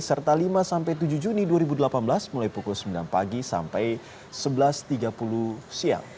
serta lima sampai tujuh juni dua ribu delapan belas mulai pukul sembilan pagi sampai sebelas tiga puluh siang